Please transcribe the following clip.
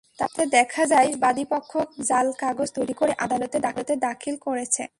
তাতে দেখা যায়, বাদীপক্ষ জাল কাগজ তৈরি করে আদালতে দাখিল করেছে।